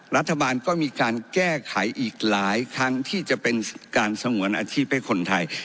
รัฐบาลก็มีการแก้ไขอีกหลายครั้งที่จะเป็นการสงวนอาชีพให้คนไทย